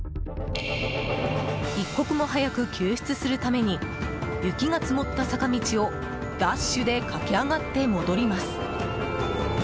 一刻も早く救出するために雪が積もった坂道をダッシュで駆け上がって戻ります。